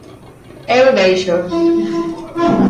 Eu déixoos.